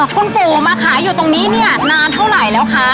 ขนมปังมาขายอยู่ตรงในนานเท่าไหร่แล้วคะ